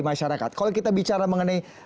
masyarakat kalau kita bicara mengenai